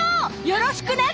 よろしくね！